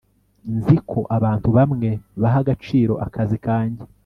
Nzi ko abantu bamwe baha agaciro akazi kanjye